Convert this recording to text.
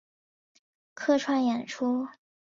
客串演出